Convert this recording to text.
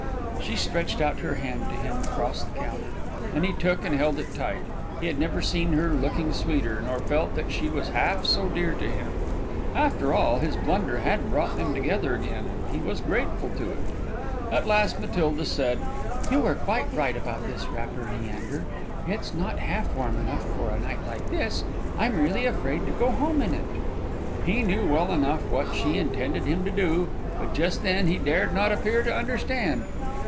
She stretched out her hand to him across the counter, and he took and held it tight; he had never seen her looking sweeter, nor felt that she was half so dear to him. After all, his blunder had brought them together again, and he was grateful to it. At last Matilda said, "You were quite right about this wrapper, Leander; it's not half warm enough for a night like this. I'm really afraid to go home in it." He knew well enough what she intended him to do; but just then he dared not appear to understand.